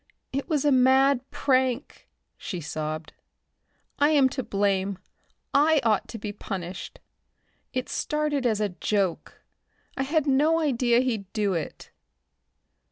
"It was a mad prank," she sobbed. "I am to blame. I ought to be punished. It started as a joke. I had no idea he'd do it."